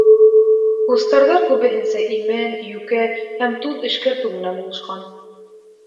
Кустарҙар күбеһенсә имән, йүкә һәм туҙ эшкәртеү менән булышҡан.